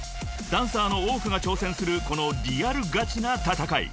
［ダンサーの多くが挑戦するこのリアルガチな戦い］